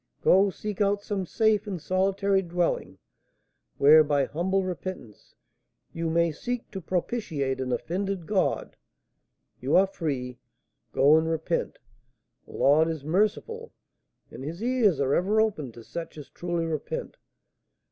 Go, seek out some safe and solitary dwelling, where, by humble repentance, you may seek to propitiate an offended God! You are free! Go and repent; the Lord is merciful, and his ears are ever open to such as truly repent."